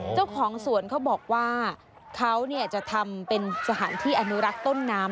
เจ้าของสวนเขาบอกว่าเขาจะทำเป็นสถานที่อนุรักษ์ต้นน้ำ